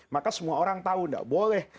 maka semua orang tahu tidak boleh